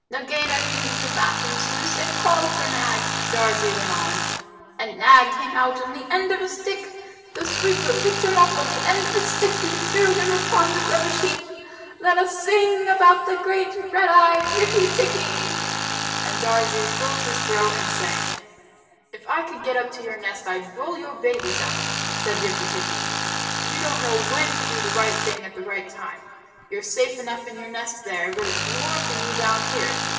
"Nagaina came to the bathroom sluice and called for Nag," Darzee went on, "and Nag came out on the end of a stick the sweeper picked him up on the end of a stick and threw him upon the rubbish heap. Let us sing about the great, the red eyed Rikki tikki!" And Darzee filled his throat and sang. "If I could get up to your nest, I'd roll your babies out!" said Rikki tikki. "You don't know when to do the right thing at the right time. You're safe enough in your nest there, but it's war for me down here.